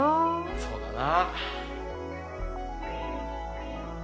そうだな。